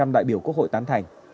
đại biểu quốc hội tán thành